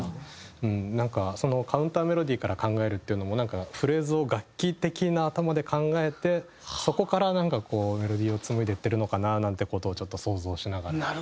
うんなんかそのカウンター・メロディーから考えるっていうのもなんかフレーズを楽器的な頭で考えてそこからなんかこうメロディーを紡いでいってるのかななんて事をちょっと想像しながら。